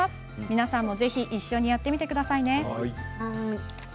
皆さんも一緒にやってみてくださいね。